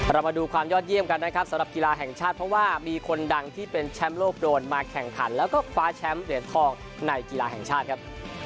เรามาดูความยอดเยี่ยมกันนะครับสำหรับกีฬาแห่งชาติเพราะว่ามีคนดังที่เป็นแชมป์โลกโดนมาแข่งขันแล้วก็คว้าแชมป์เหรียญทองในกีฬาแห่งชาติครับ